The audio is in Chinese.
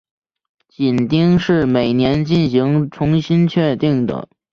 紧盯是每年进行重新确定的。